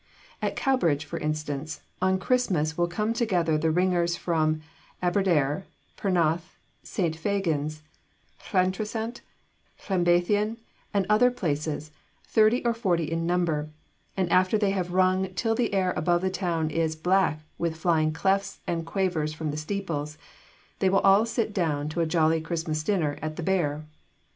At Cowbridge, for instance, on Christmas will come together the ringers from Aberdare, Penarth, St. Fagan's, Llantrisant, Llanblethian, and other places, thirty or forty in number, and after they have rung till the air above the town is black with flying clefs and quavers from the steeples, they will all sit down to a jolly Christmas dinner at the Bear.